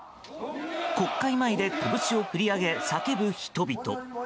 国会前でこぶしを振り上げ叫ぶ人々。